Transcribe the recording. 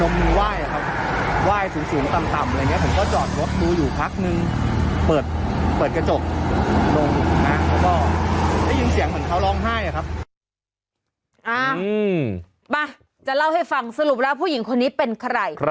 มาจะเล่าให้ฟังสรุปแล้วผู้หญิงคนนี้เป็นใคร